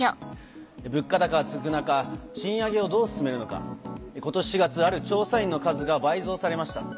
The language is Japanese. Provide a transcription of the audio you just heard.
物価高が続く中賃上げをどう進めるのか今年４月ある調査員の数が倍増されました。